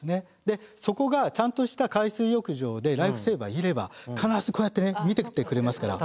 でそこがちゃんとした海水浴場でライフセーバーいれば必ずこうやってね見ててくれますから。